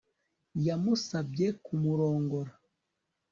Yamusabye kumurongora